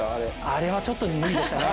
あれはちょっと無理でしたね。